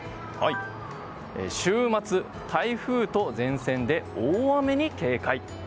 週末、台風と前線で大雨に警戒。